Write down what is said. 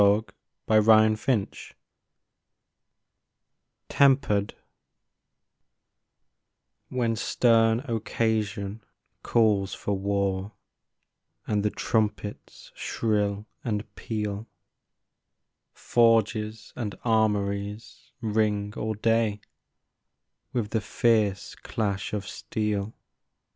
ii 1 62 TEMPERED TEMPERED WHEN stern occasion calls for war, And the trumpets shrill and peal, Forges and armories ring all day With the fierce clash of steel.